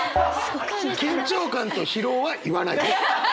「緊張感」と「疲労」は言わないで。